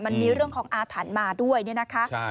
มันมีเรื่องของอาถรรพ์มาด้วยเนี่ยนะคะ